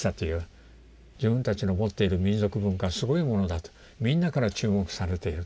自分たちの持っている民族文化はすごいものだとみんなから注目されている。